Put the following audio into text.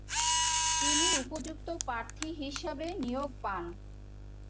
তিনি উপযুক্ত প্রার্থী হিসেবে নিয়োগ পান।